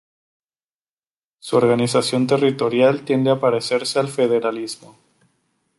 Su organización territorial tiende a parecerse al federalismo.